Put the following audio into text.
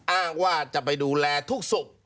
อ้างว่าจะไปดูแลทุกศุกร์